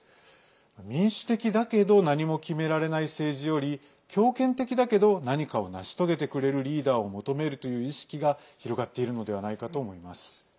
民主的だけど何も決められない政治より強権的だけど何かを成し遂げてくれるリーダーを求めるという意識が広がっているのではないかと思います。